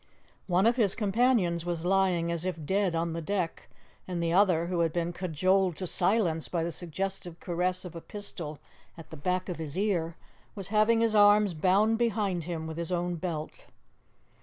One of his companions was lying as if dead on the deck, and the other, who had been cajoled to silence by the suggestive caress of a pistol at the back of his ear, was having his arms bound behind him with his own belt.